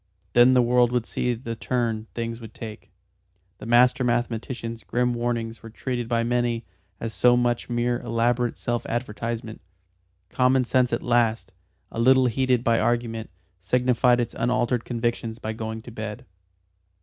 Then the world would see the turn things would take. The master mathematician's grim warnings were treated by many as so much mere elaborate self advertisement. Common sense at last, a little heated by argument, signified its unalterable convictions by going to bed.